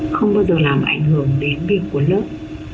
không bao giờ làm ảnh hưởng đến việc của lớp